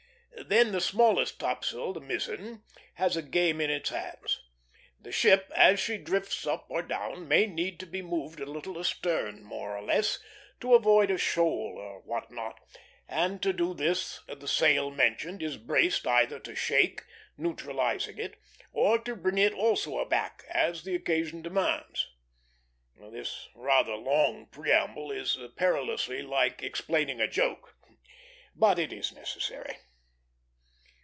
Then the smallest topsail, the mizzen, has a game in its hands. The ship, as she drifts up or down, may need to be moved a little astern, more or less, to avoid a shoal or what not; and to do this the sail mentioned is braced either to shake, neutralizing it, or to bring it also aback, as the occasion demands. This rather long preamble is perilously like explaining a joke, but it is necessary.